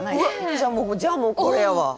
じゃあもうじゃあもうこれやわ。